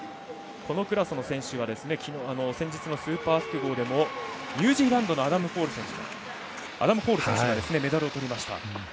このクラスの選手は先日のスーパー複合でもニュージーランドのアダム・ホール選手がメダルをとりました。